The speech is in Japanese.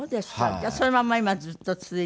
じゃあそのまま今ずっと続いているっていう。